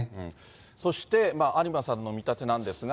そして、有馬さんの見立てなんですが。